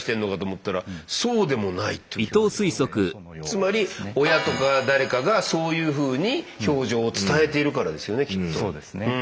つまり親とか誰かがそういうふうに表情を伝えているからですよねきっと。